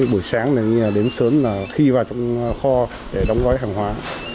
bữa sáng đến sớm thi vào trong kho để đóng gói hàng hóa